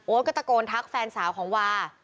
โอ๊ตก็จะโกรธทักแฟนสาวของวา